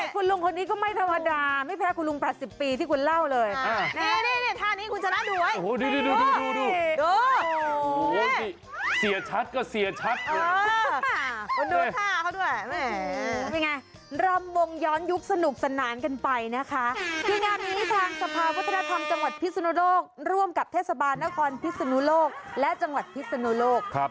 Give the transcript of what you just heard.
คลักบรรยากาศดีเอาเป็นยังไงตามไปสนุกกันเลยค่ะ